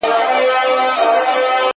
بې غاښو خوله به یې وازه وه نیولې.!